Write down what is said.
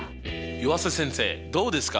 湯浅先生どうですか？